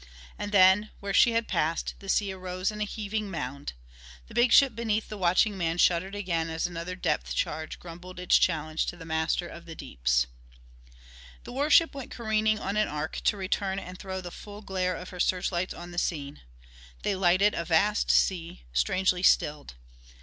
And then, where she had passed, the sea arose in a heaving mound. The big ship beneath the watching man shuddered again as another depth charge grumbled its challenge to the master of the deeps. The warship went careening on an arc to return and throw the full glare of her search lights on the scene. They lighted a vast sea, strangely stilled.